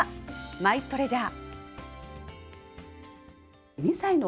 マイトレジャー。